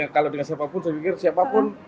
kalau dengan siapapun saya pikir siapapun